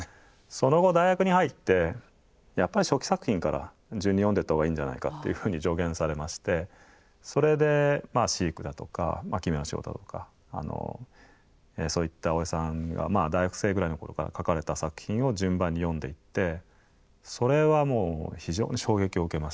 その後大学に入ってやっぱり初期作品から順に読んでいったほうがいいんじゃないかっていうふうに助言されましてそれで「飼育」だとか「奇妙な仕事」だとかそういった大江さんが大学生ぐらいの頃から書かれた作品を順番に読んでいってそれはもう非常に衝撃を受けましたね。